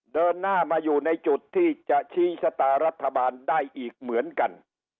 เดินหน้ามาอยู่ในจุดที่จะชี้ชะตารัฐบาลได้อีกเหมือนกัน